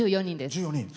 １４人です。